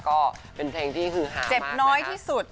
ก็เป็นเพลงที่ฮือฮามากนะคะถูกต้องเจ็บน้อยที่สุด